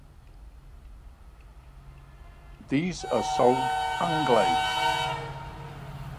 These are sold unglazed.